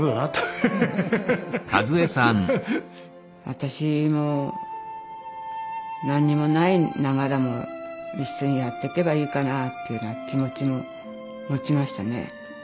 私も何にもないながらも一緒にやっていけばいいかなというような気持ちも持ちましたね。